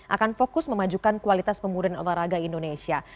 akan fokus memajukan kualitas pemulihan olahraga indonesia